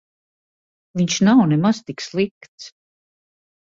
Viņš nav nemaz tik slikts.